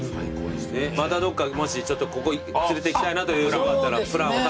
またどっかもしちょっとここ連れていきたいなというとこあったらプランをタカさんに。